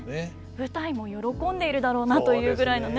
舞台も喜んでいるだろうなというぐらいのね。